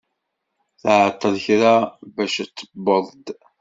Tɛeṭṭel kra bac tewweḍ-d.